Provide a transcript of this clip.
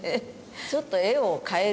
ちょっと絵を変える。